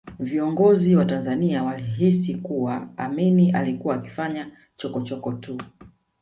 Viongozi wa Tanzania walihisi kuwa Amin alikuwa akifanya chokochoko tu